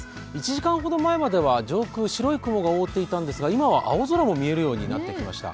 １時間ほど前までは上空、白い雲が覆っていたんですが、今は青空も見えるようになってきました。